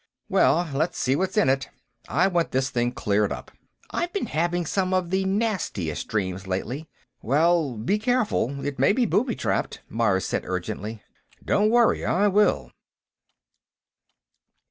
"Well, let's see what's in it. I want this thing cleared up. I've been having some of the nastiest dreams, lately...." "Well, be careful; it may be booby trapped," Myers said urgently. "Don't worry; I will."